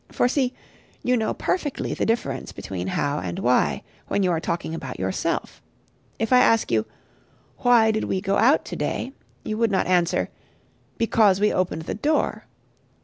For see you know perfectly the difference between How and Why, when you are talking about yourself. If I ask you, "Why did we go out to day?" You would not answer, "Because we opened the door."